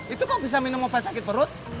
itu kok bisa minum obat sakit perut